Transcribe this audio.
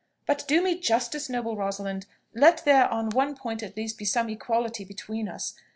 But do me justice, noble Rosalind; let there on one point at least be some equality between us.